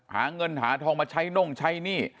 หาเงินหาทองมาใช้น่งใช้หนี้